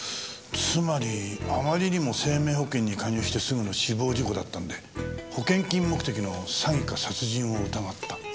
つまりあまりにも生命保険に加入してすぐの死亡事故だったんで保険金目的の詐欺か殺人を疑った。